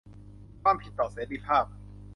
ความผิดต่อเสรีภาพ